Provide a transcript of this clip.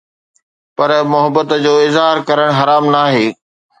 پر محبت جو اظهار ڪرڻ حرام ناهي